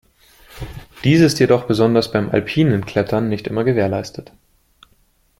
Dies ist jedoch besonders beim alpinen Klettern nicht immer gewährleistet.